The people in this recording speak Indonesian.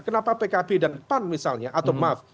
kenapa pkb dan pan misalnya atau maaf